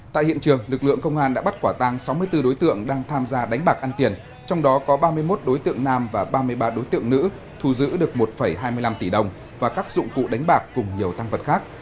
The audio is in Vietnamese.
tại hiện trường lực lượng công an đã bắt quả tăng sáu mươi bốn đối tượng đang tham gia đánh bạc ăn tiền trong đó có ba mươi một đối tượng nam và ba mươi ba đối tượng nữ thu giữ được một hai mươi năm tỷ đồng và các dụng cụ đánh bạc cùng nhiều tăng vật khác